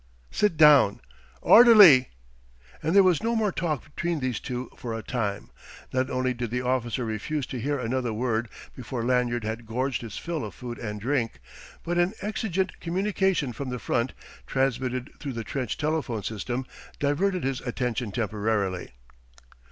"Sit down. Orderly!" And there was no more talk between these two for a time. Not only did the officer refuse to hear another word before Lanyard had gorged his fill of food and drink, but an exigent communication from the front, transmitted through the trench telephone system, diverted his attention temporarily.